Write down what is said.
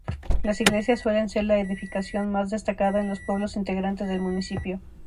Las iglesias suelen ser la edificación más destacada en los pueblos integrantes del municipio.